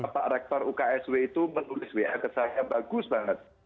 pak rektor uksw itu menulis wa ke saya bagus banget